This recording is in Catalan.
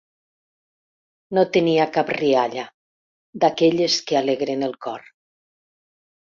No tenia cap rialla, d'aquelles que alegren el cor